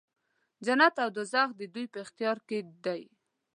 جنت او دوږخ د دوی په اختیار کې دی.